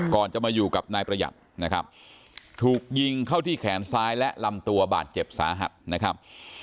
ก่อนจะมาอยู่กับนายประหยัดนะครับถูกยิงเข้าที่แขนซ้ายและลำตัวบาดเจ็บสาหัสนะครับ